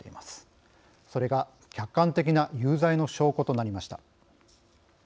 それが客観的な有罪の証拠となりました。